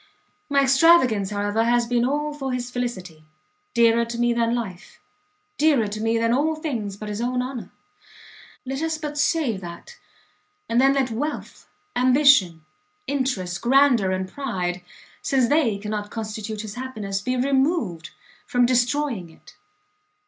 My extravagance, however, has been all for his felicity, dearer to me than life, dearer to me than all things but his own honour! Let us but save that, and then let wealth, ambition, interest, grandeur and pride, since they cannot constitute his happiness, be removed from destroying it.